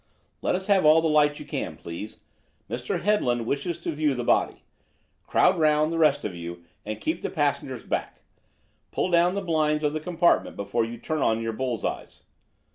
"Let us have all the light you can, please. Mr. Headland wishes to view the body. Crowd round, the rest of you, and keep the passengers back. Pull down the blinds of the compartment before you turn on your bull's eyes.